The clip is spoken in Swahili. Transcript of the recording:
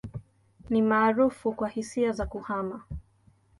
Ni maarufu kwa hisia za kuhama.